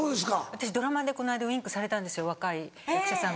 私ドラマでこの間ウインクされたんです若い役者さんから。